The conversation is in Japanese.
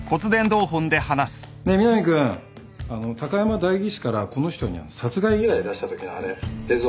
ねえ南君あの高山代議士からこの人に殺害依頼出したときのあれ映像。